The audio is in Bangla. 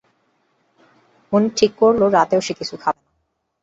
মুনির ঠিক করল, রাতেও সে কিছু খাবে না।